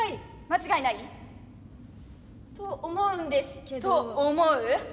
間違いない？と思うんですけど。と思う？